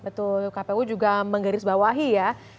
betul kpu juga menggaris bawahi ya